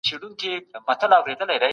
دولتونو په نړيواله کچه تړونونه لاسليک کړل.